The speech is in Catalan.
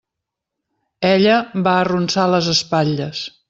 Ella va arronsar les espatlles.